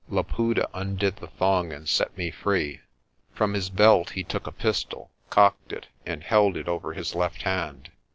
Laputa undid the thong and set me free. From his belt he took a pistol, cocked it, and held it over his left hand.